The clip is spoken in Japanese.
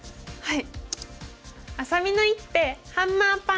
はい。